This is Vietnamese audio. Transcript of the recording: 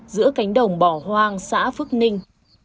giữa cánh đồng bỏ hoang xã phước ninh